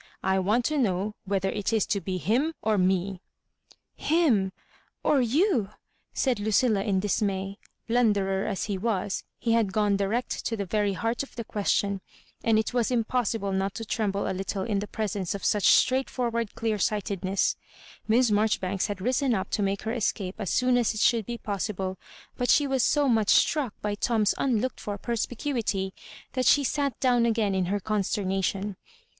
I want to know whether it is to be him or mel " "Him— or you!" said Ludlla^ in dismay. Blunderer as he was, he had gone direct to the very heart of the question, and it was impossi ble not to tremble a little in the presence of such straightforward dear sightedness. Miss Maijoribai^s had risen up to make her escape as soon as it should be possible, but she was so much struck by Tom's unlooked for perspi cuity, that she sat down again in her consterna tion.